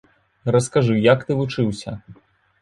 Раскажы, як ты вучыўся?